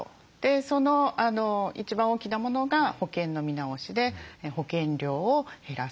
その一番大きなものが保険の見直しで保険料を減らすということですね。